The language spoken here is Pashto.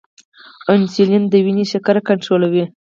انسولین د وینې شکر کنټرولوي